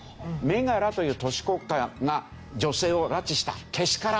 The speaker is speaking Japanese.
「メガラという都市国家が女性を拉致したけしからん！」